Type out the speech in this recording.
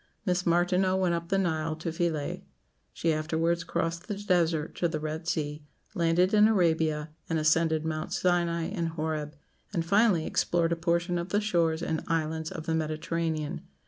Miss Martineau went up the Nile to Philæ; she afterwards crossed the desert to the Red Sea, landed in Arabia, and ascended Mounts Sinai and Horeb; and, finally, explored a portion of the shores and islands of the Mediterranean.